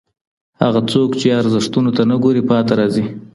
هغه څوک چي ارزښتونو ته نه ګوري پاته راځي.